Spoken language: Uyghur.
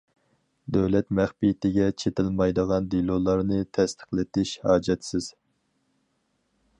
دۆلەت مەخپىيىتىگە چېتىلمايدىغان دېلولارنى تەستىقلىتىش ھاجەتسىز.